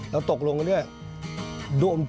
แล้วตกลงกันด้วย